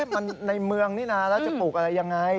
มันในเมืองนี่นะแล้วจะปลูกอะไรยังไง